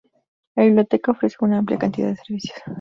La biblioteca ofrece una amplia cantidad de servicios.